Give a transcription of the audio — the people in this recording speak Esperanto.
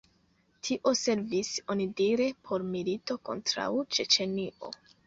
Tio servis onidire por milito kontraŭ Ĉeĉenio.